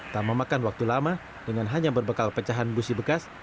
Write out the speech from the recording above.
tak memakan waktu lama dengan hanya berbekal pecahan busi bekas